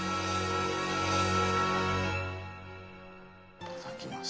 いただきます。